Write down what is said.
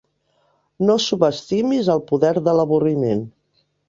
No subestimis el poder de l'avorriment.